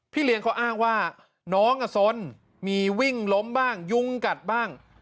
เลี้ยงเขาอ้างว่าน้องสนมีวิ่งล้มบ้างยุงกัดบ้าง